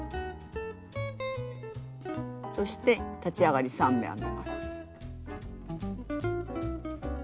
そして立ち上がり３目編みます。